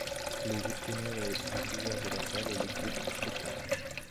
Le gestionnaire et diffuseur de la salle est le groupe Spect'Art.